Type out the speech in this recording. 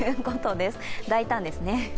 大胆ですね。